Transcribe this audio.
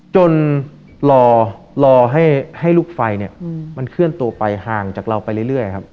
จนรอให้ลูกไฟเนี่ยมันเคลื่อนตัวไปห่างจากเราไปเรื่อยครับ